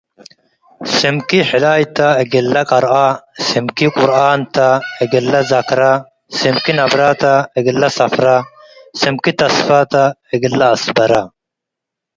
ሰምኪ ሕላይታ አግልላቀርኣ። ሰምኪ ቁርኣንታ አግልላዛኽራ። ሰምኪ ናብራታ አግልላስፍራ። ሰምኪ ተስፋታ አግልላአስበራ